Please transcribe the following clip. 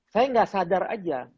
saya gak sadar aja